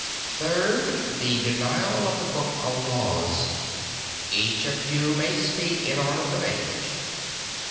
Third, the denial of the Book of Laws. Each of you may speak in order of age.